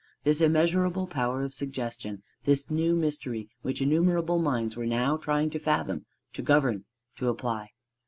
This immeasurable power of suggestion, this new mystery which innumerable minds were now trying to fathom, to govern, to apply.